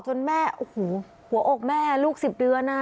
แม่โอ้โหหัวอกแม่ลูก๑๐เดือน